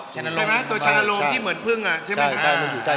ใช่ไหมตัวชันโรมที่เหมือนพึ่งใช่ไหมครับ